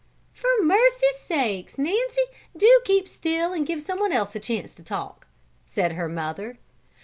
"For mercy sakes! Nancy, do keep still and give some one else a chance to talk," said her mother.